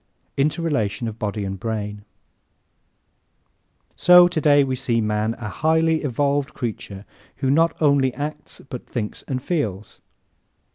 Interrelation of Body and Brain ¶ So today we see man a highly evolved creature who not only acts but thinks and feels.